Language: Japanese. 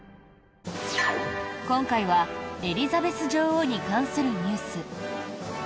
今回は、エリザベス女王に関するニュース。